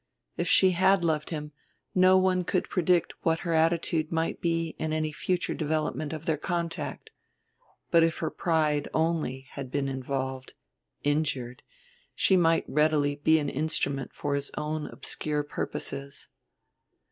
If she had loved him no one could predict what her attitude might be in any future development of their contact; but if her pride only had been involved, injured, she might readily be an instrument for his own obscure purposes.